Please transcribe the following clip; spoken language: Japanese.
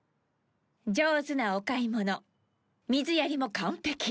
上手なお買い物水やりも完璧。